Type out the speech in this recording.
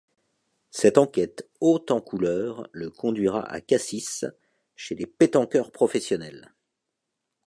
Cette enquête haute en couleurs le conduira à Cassis chez les pétanqueurs professionnels.